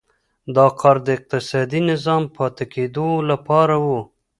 دا کار د اقتصادي نظام پاتې کېدو لپاره و.